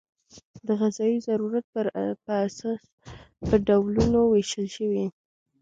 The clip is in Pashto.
د غذایي ضرورت په اساس په ډولونو وېشل شوي.